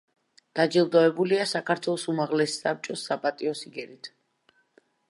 დაჯილდოებულია საქართველოს უმაღლესი საბჭოს საპატიო სიგელებით.